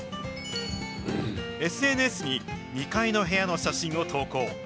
ＳＮＳに２階の部屋の写真を投稿。